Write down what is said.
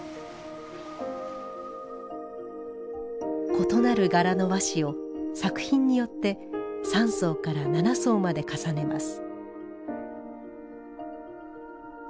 異なる柄の和紙を作品によって３層から７層まで重ねます。